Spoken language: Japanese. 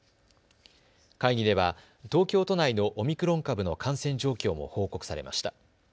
会議では東京都内のオミクロン株の感染状況も報告されました。